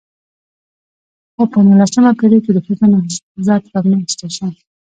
خو په نولسمه پېړۍ کې د ښځو نضهت رامنځته شو .